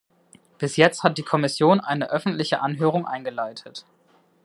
Bis jetzt hat die Kommission eine öffentliche Anhörung eingeleitet.